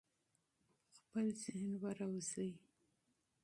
خپل ذهن وروزی.